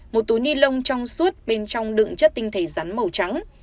một túi ni lông trong suốt bên trong đựng chất tinh thể rắn màu trắng